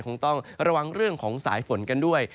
คงต้องระวังเรื่องของสายฝนกันด้วย